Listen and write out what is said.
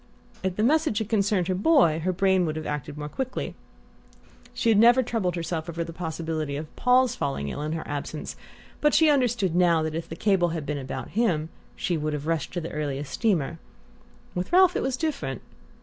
If the message had concerned her boy her brain would have acted more quickly. She had never troubled herself over the possibility of Paul's falling ill in her absence, but she understood now that if the cable had been about him she would have rushed to the earliest steamer. With Ralph it was different.